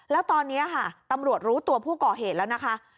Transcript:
แล้วตอนนี้ค่ะตำรวจรู้ตัวผู้ก่อเหตุแล้วนะคะ